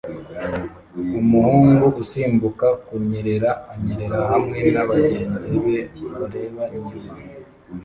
Umuhungu usimbuka kunyerera anyerera hamwe nabagenzi be bareba inyuma